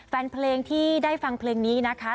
แฟนเพลงที่ได้ฟังเพลงนี้นะคะ